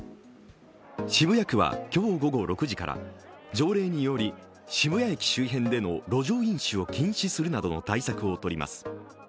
渋谷区は今日午後６時から条例により渋谷駅周辺での路上飲酒を禁止するなどの対策を取ります。